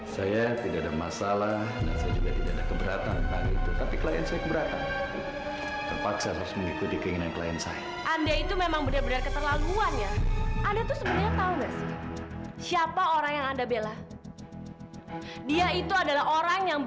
sampai jumpa di video selanjutnya